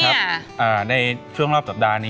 แม่บ้านประจันบัน